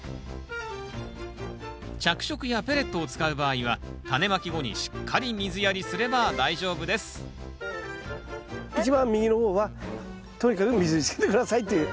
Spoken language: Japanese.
着色やペレットを使う場合はタネまき後にしっかり水やりすれば大丈夫です一番右の方はとにかく水につけて下さいという。